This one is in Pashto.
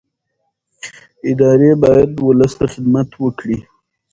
ادارې باید ولس ته خدمت وکړي